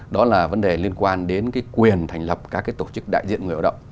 đó là vấn đề liên quan đến quyền thành lập các tổ chức đại diện người lao động